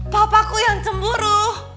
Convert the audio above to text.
papaku yang cemburu